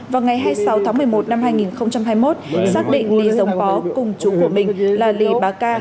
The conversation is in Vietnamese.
vào ngày hai mươi sáu tháng một mươi một năm hai nghìn hai mươi một xác định lì dống pó cùng chú của mình là lì bà ca